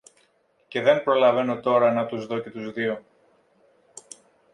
και δεν προλαβαίνω τώρα να τους δω και τους δύο